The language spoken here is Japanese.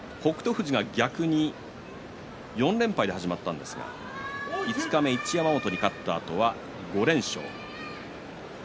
富士が逆に４連敗で始まったんですが五日目に一山本に勝ったあとは５連勝。